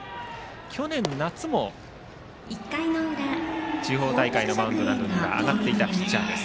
去年夏も地方大会のマウンドに上がっていたピッチャーです。